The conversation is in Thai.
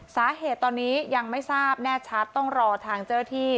สาเหตุตอนนี้ยังไม่ทราบแน่ชัดต้องรอทางเจ้าหน้าที่